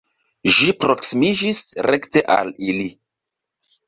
Ĝi proksimiĝis rekte al ili.